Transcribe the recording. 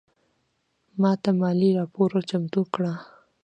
ماته مالي راپور چمتو کړه